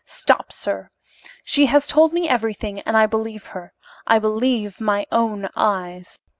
Stop, sir! She has told me everything and I believe her. I believe my own eyes.